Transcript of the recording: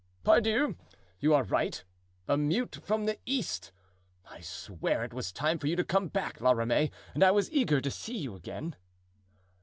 "Pardieu! you are right—a mute from the East! I swear it was time for you to come back, La Ramee, and I was eager to see you again."